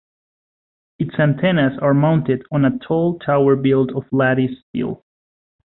Its antennas are mounted on a tall tower built of lattice steel.